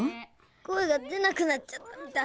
声が出なくなっちゃったみたい。